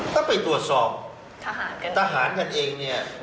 ถ้าไปตรวจสอบทหารกันเองเนี่ย